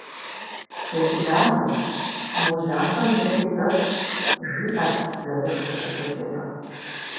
Къеблагъэ, мо жьантӏэмкӏэ дыхьи тӏыс, - жиӏэт Заур пыгуфӏыкӏыурэ.